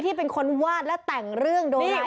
เป็นคนวาดและแต่งเรื่องโดย